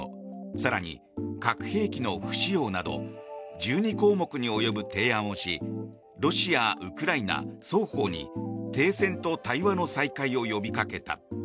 更に、核兵器の不使用など１２項目に及ぶ提案をしロシア、ウクライナ双方に停戦と対話の再開を呼びかけた。